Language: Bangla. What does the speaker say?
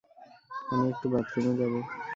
আমি একটু বাথরুমে যাবো।